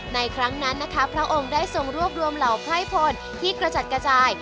ในครั้งนั้นนะคะพระองค์ได้ทรงรวบรวมเหล่าไพร่พลที่กระจัดกระจาย